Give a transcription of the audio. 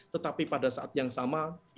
tetapi pada saat yang sama ini menjadi ujian